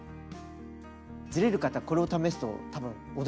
ずれる方これを試すと多分驚くと思います。